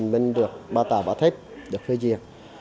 mình được ba tàu vỏ thép được phê diệt